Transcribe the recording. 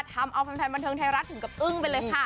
ทำเอาแฟนบันเทิงไทยรัฐถึงกับอึ้งไปเลยค่ะ